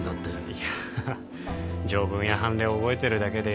いや条文や判例覚えてるだけで